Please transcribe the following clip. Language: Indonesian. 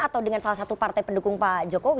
atau dengan salah satu partai pendukung pak jokowi